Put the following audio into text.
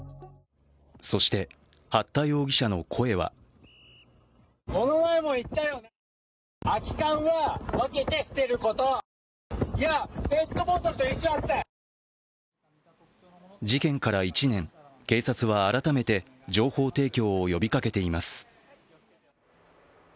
そして八田容疑者の声は事件から１年、警察は改めて情報提供を呼びかけています。